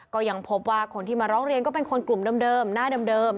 ก็ยังพบว่าคนที่มาร้องเรียนก็เป็นคนกลุ่มเดิมหน้าเดิม